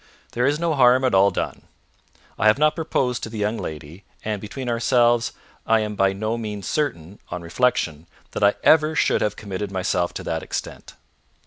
There is no harm at all done. I have not proposed to the young lady, and, between ourselves, I am by no means certain, on reflection, that I ever should have committed myself to that extent.